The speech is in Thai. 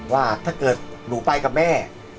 ว่าถ้าเกิดหนูไปกับแม่